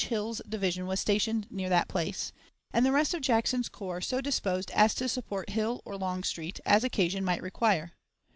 Hill's division was stationed near that place, and the rest of Jackson's corps so disposed as to support Hill or Longstreet, as occasion might require.